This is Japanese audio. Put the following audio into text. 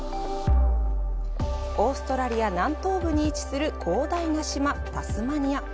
オーストラリア南東部に位置する広大な島、タスマニア。